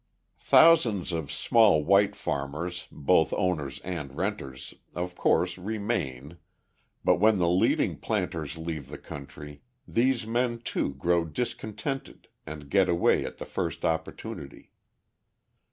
Thousands of small white farmers, both owners and renters, of course, remain, but when the leading planters leave the country, these men, too, grow discontented and get away at the first opportunity.